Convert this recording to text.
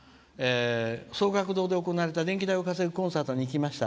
「奏楽堂で行われた電気代を稼ぐコンサートに行きました。